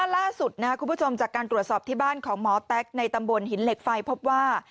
ล่าสุดนะครับคุณผู้ชมจากการตรวจสอบที่บ้านของหมอแต๊กในตำบลหินเหล็กไฟพบว่า